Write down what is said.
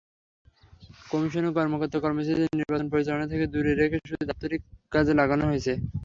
কমিশনের কর্মকর্তা-কর্মচারীদের নির্বাচন পরিচালনা থেকে দূরে রেখে শুধু দাপ্তরিক কাজে লাগানো হয়েছে।